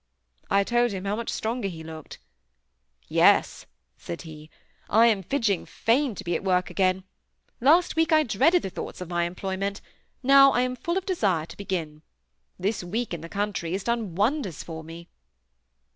I told him how much stronger he looked. "Yes!" said he. "I am fidging fain to be at work again. Last week I dreaded the thoughts of my employment: now I am full of desire to begin. This week in the country has done wonders for me."